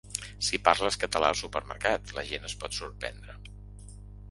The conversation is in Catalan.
Si parles català al supermercat, la gent es pot sorprendre.